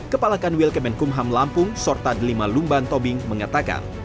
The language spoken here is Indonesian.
kepalakan wilkemen kumham lampung sorta delima lumban tobing mengatakan